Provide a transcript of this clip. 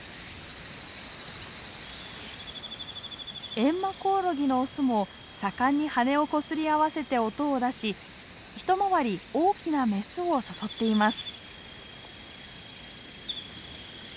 エンマコオロギのオスも盛んに羽をこすり合わせて音を出し一回り大きなメスを誘っています。